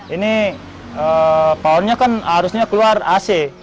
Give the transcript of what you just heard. ini pohonnya kan arusnya keluar ac